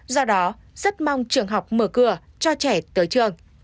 do đó rất mong trường học mở cửa cho trẻ tới trường